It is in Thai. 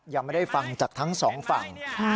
ยังไม่ได้ฟังจากทั้งสองฝั่ง